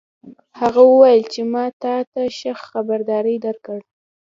هغه وویل چې ما تا ته ښه خبرداری درکړ